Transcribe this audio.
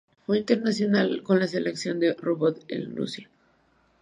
Fue internacional con la selección de fútbol de Austria.